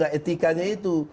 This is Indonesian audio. gak etikanya itu